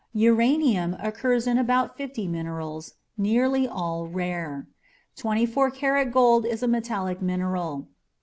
Uranium occurs in about 50 minerals, nearly all rare. Twenty four carat gold is a metallic mineral.